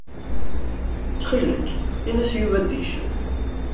Ttxil-k, ini-yas i Yuba ad d-ikcem.